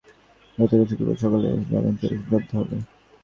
গোপন সংবাদের ভিত্তিতে পুলিশ গতকাল শুক্রবার সকালে এসব জ্বালানি তেল জব্দ করে।